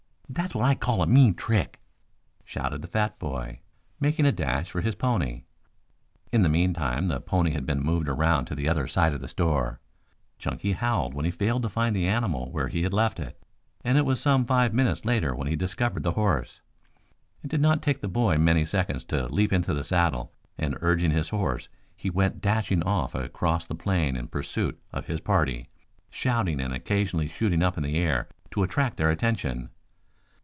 "That's what I call a mean trick!" shouted the fat boy, making a dash for his pony. In the meantime the pony had been moved around to the other side of the store. Chunky howled when he failed to find the animal where he had left it, and it was some five minutes later when he discovered the horse. It did not take the boy many seconds to leap into the saddle, and urging his horse he went dashing off across the plain in pursuit of his party, shouting and occasionally shooting up into the air to attract their attention.